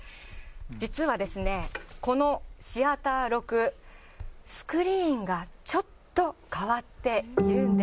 実はこのシアター６、スクリーンがちょっと変わっているんです。